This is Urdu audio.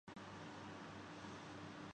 جن کا کام کچھ اور ہے۔